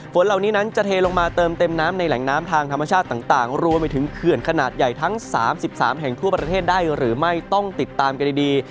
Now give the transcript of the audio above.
ฝนเหล่านี้นั้นจะเทลงมาเติมเต็มน้ำในแหล่งน้ำทางธรรมชาติต่างรวมไปถึงเขื่อนขนาดใหญ่ทั้ง๓๓แห่งทั่วประเทศได้หรือไม่ต้องติดตามกันดี